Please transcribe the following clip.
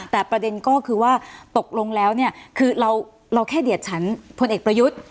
แต่ประเด็นก็คือว่าตกลงแล้วเนี่ยคือเราแค่เดียดฉันพลเอกประยุทธ์